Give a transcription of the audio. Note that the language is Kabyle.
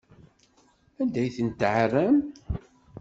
Anda ay ten-tɛerramt?